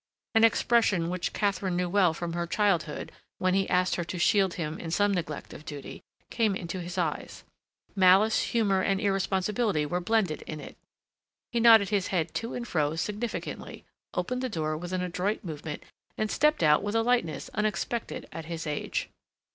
An expression which Katharine knew well from her childhood, when he asked her to shield him in some neglect of duty, came into his eyes; malice, humor, and irresponsibility were blended in it. He nodded his head to and fro significantly, opened the door with an adroit movement, and stepped out with a lightness unexpected at his age.